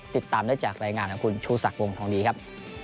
ติดตามได้จากรายงานของคุณชูศักดิ์วงทองดีครับ